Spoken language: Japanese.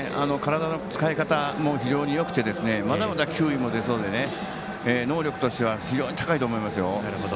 体の使い方も非常によくてまだまだ球威も出そうで能力としては非常に高いと思います。